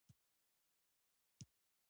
زه پر کاسي روډ یم.